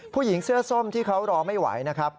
ผู้หญิงเสื้อส้มที่เขารอไม่ไหวนะครับ